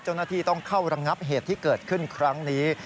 เจ้าหน้าที่ต้องเข้าระงับเหตุที่เกิดขึ้นครั้งนี้